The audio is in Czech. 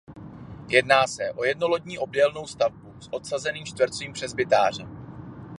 Jedná se o jednolodní obdélnou stavbu s odsazeným čtvercovým presbytářem.